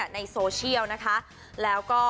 ในโซเชียลนะคะแล้วก็